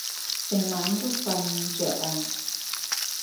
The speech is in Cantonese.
成晚都瞓唔著啊